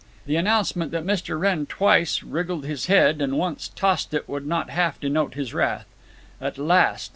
The announcement that Mr. Wrenn twice wriggled his head, and once tossed it, would not half denote his wrath. At last!